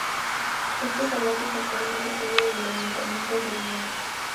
Este palacio es actualmente sede del Ayuntamiento de Ermua.